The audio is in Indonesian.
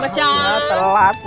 makasih ya telat